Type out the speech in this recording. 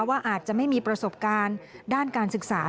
ว่าอาจจะไม่มีประสบการณ์ด้านการศึกษา